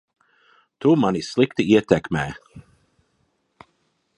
Tu mani slikti ietekmē.